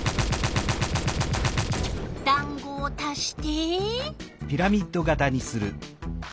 だんごを足して。